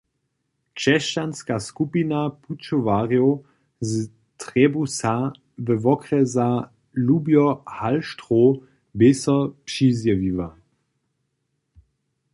Křesćanska skupina pućowarjow z Trebbusa we wokrjesu Łobjo-Halštrow bě so přizjewiła.